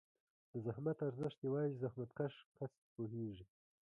د زحمت ارزښت یوازې زحمتکښ کس پوهېږي.